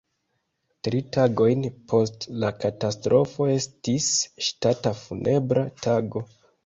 Tri tagojn post la katastrofo estis ŝtata funebra tago.